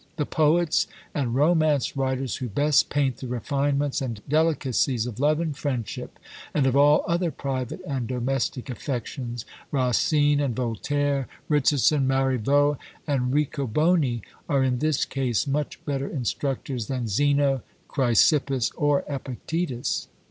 "The poets and romance writers who best paint the refinements and delicacies of love and friendship, and of all other private and domestic affections, Racine and Voltaire, Richardson Marivaux, and Riccoboni, are in this case much better instructors than Zeno, Chrysippus, or Epictetus."